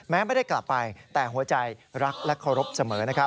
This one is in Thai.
แม้ไม่ได้กลับไปแต่หัวใจรักและเคารพเสมอ